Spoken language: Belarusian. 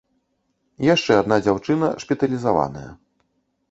Яшчэ адна дзяўчына шпіталізаваная.